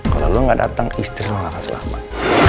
kalau lo gak datang istri mau gak akan selamat